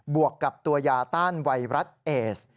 วกกับตัวยาต้านไวรัสเอส